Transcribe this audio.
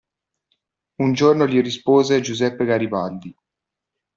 Un giorno gli rispose Giuseppe Garibaldi.